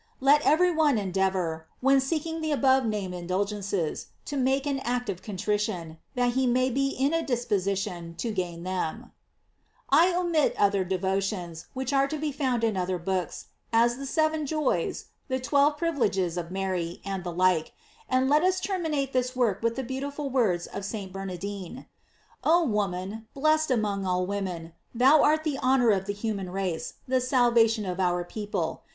* Let every one endeavor, when seeking the above named indul gences, to make an act of contrition, that he may be in a disposition to gain them. * Append. Indulg. in calce Trut, 0. ult. GLORIES OF MARY. 678 f omit other devotions, which are to be found in other books, as the seven joys, the twelve priv ileges of Mary, and the like, and let us termin ate this work with the beautiful words of St. Bernardine:* Oh woman, blessed among all wom en, thou art the honor of the human race, the salvation of our people.